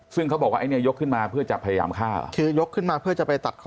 ซึ่งเขาบอกว่าไอ้เนี่ยยกขึ้นมาเพื่อจะพยายามฆ่าคือยกขึ้นมาเพื่อจะไปตัดคอ